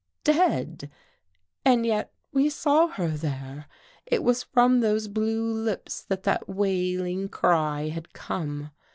Dead! And yet we saw her there. It was from those blue lips that that wailing cry had come.